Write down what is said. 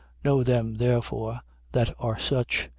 Know them, therefore, that are such.